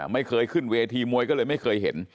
ไม่เคยขึ้นเวทีมวยก็เลยไม่เคยเห็น